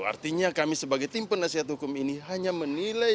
artinya kami sebagai tim penasihat hukum ini hanya menilai